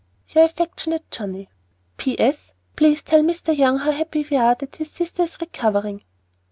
Your affectionate JOHNNIE. P.S. Please tell Mr. Young how happy we are that his sister is recovering.